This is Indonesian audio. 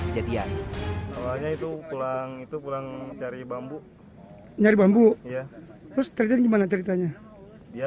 kejadian awalnya itu pulang itu pulang cari bambu nyari bambu ya terus terjadi gimana ceritanya dia